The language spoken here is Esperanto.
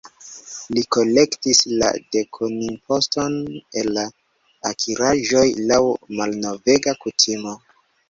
Li kolektis la dekonimposton el la akiraĵoj, laŭ malnovega kutimo.